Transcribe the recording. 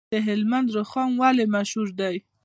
د هلمند رخام ولې مشهور دی؟